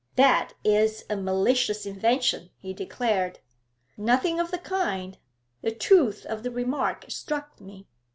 'That is a malicious invention,' he declared. 'Nothing of the kind! The truth of the remark struck me.'